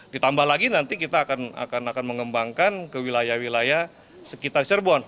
ditambah lagi nanti kita akan mengembangkan ke wilayah wilayah sekitar cirebon